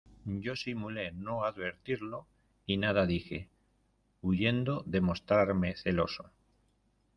yo simulé no advertirlo, y nada dije , huyendo de mostrarme celoso.